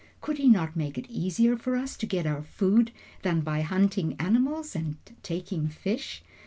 Could he not make it easier for us to get our food than by hunting animals and taking fish?